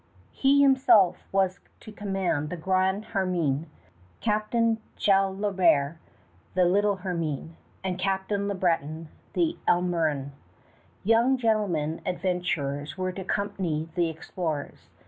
He himself was to command the Grand Hermine, Captain Jalobert the Little Hermine, and Captain Le Breton the Emerillon. Young gentlemen adventurers were to accompany the explorers.